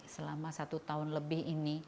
selama satu tahun lebih